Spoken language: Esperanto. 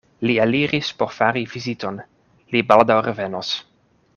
Li eliris por fari viziton: li baldaŭ revenos.